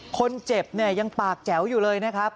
คนเจ็บเนี่ยยังปากแจ๋วอยู่เลยนะครับ